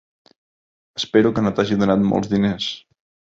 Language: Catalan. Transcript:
Espero que no t'hagi donat molts diners.